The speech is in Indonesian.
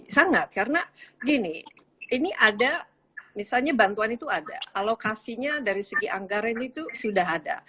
sangat karena gini ini ada misalnya bantuan itu ada alokasinya dari segi anggaran itu sudah ada